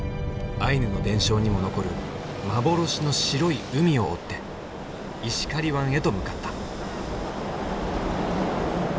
アイヌの伝承にも残る幻の白い海を追って石狩湾へと向かった。